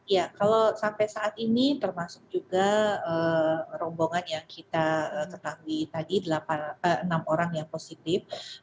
ya kalau sampai saat ini termasuk juga rombongan yang kita ketahui tadi enam orang yang positif